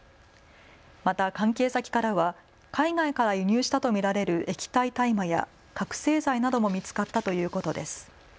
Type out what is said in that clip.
また関係先からは海外から輸入したと見られる液体大麻や覚醒剤なども見つかったということです。